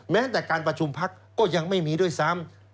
แม้แต่การประชุมพักก็ยังไม่มีด้วยซ้ำ